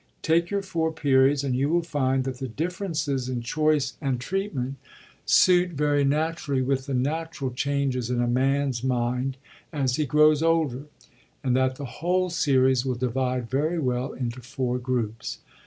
Take your Four Periods, and you will find that the differences in choice and '54 SHAKSPERE'S EARLY COMEDIES treatment suit very naturally with the natural changes in a man*s mind as he grows older ; and that the whole series will divide very well into four groups.